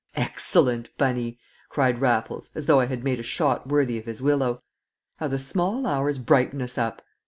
"Excellent, Bunny!" cried Raffles, as though I had made a shot worthy of his willow. "How the small hours brighten us up!"